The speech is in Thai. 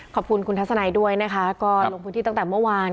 ขอบคุณคุณทัศนัยด้วยนะคะก็ลงพื้นที่ตั้งแต่เมื่อวาน